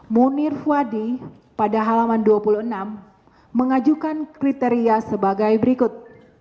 munir fuadi pada halaman dua puluh enam mengajukan kriteria sebagai berikut